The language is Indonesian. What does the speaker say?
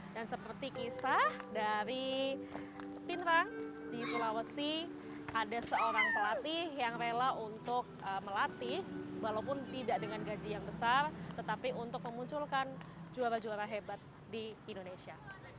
dan seperti kisah dari pinrang di sulawesi ada seorang pelatih yang rela untuk melatih walaupun tidak dengan gaji yang besar tetapi untuk memunculkan juara juara hebat di indonesia